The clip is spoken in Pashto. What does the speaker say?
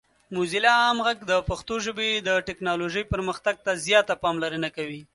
موزیلا عام غږ د پښتو ژبې د ټیکنالوجۍ پرمختګ ته زیاته پاملرنه کوي.